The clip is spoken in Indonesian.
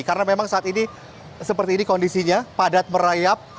karena memang saat ini seperti ini kondisinya padat merayap